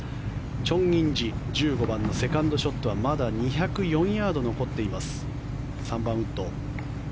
チョン・インジ１５番のセカンドショットはまだ２０４ヤード残っています。